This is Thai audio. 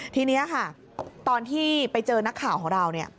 ทีนี้ค่ะตอนที่ไปเจอนักข่าวของเราเนี่ย